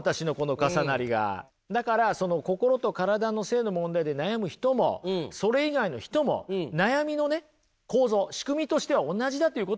だからその心と体の性の問題で悩む人もそれ以外の人も悩みのね構造仕組みとしては同じだっていうことなんですよ。